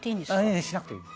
「いいしなくていい」